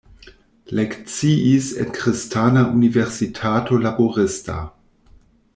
Lekciis en Kristana Universitato Laborista.